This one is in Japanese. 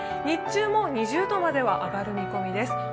日中も２０度までは上がる見込みです。